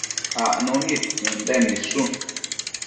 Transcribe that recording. acnu nid Ënden nidshun